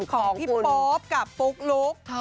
ของพี่โป๊ปกับปุ๊กลุ๊ก